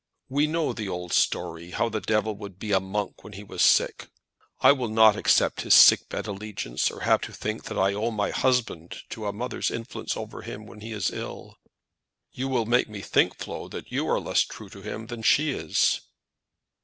We know the old story, how the devil would be a monk when he was sick. I will not accept his sick bed allegiance, or have to think that I owe my husband to a mother's influence over him while he is ill." "You will make me think, Flo, that you are less true to him than she is."